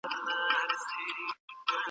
حل باید وټاکل شي.